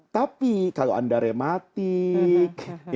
tapi kalau anda rematik